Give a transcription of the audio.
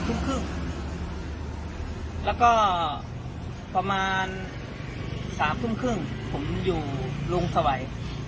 มัน๒ทึ่งครึ่งแล้วก็ประมาณ๓ทึ่งครึ่งผมอยู่โรงสวัย